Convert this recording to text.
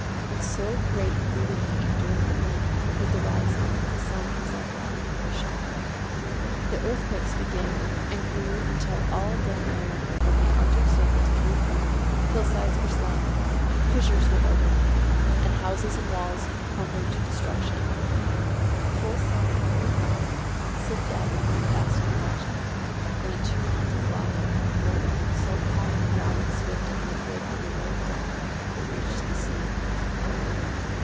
And so great grew the heat during the night that the rising of the sun was like the coming of a shadow. The earthquakes began and grew until all down America from the Arctic Circle to Cape Horn, hillsides were sliding, fissures were opening, and houses and walls crumbling to destruction. The whole side of Cotopaxi slipped out in one vast convulsion, and a tumult of lava poured out so high and broad and swift and liquid that in one day it reached the sea.